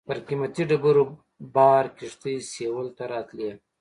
پر قیمتي ډبرو بار کښتۍ سېویل ته راتلې.